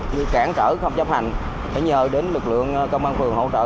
như cản trở không chấp hành phải nhờ đến lực lượng công an phường hỗ trợ